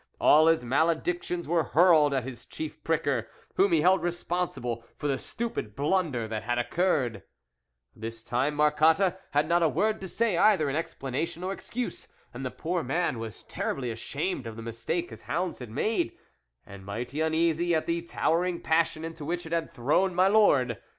" All his maledictions were hurled at his chief pricker, whom he held responsibl for the stupid blunder that had occurred This time Marcotte had not a word to say either in explanation or excuse, and the )oor man was terribly ashamed of the mistake his hounds had made, and mighty uneasy at the towering passion nto which it had thrown my lord.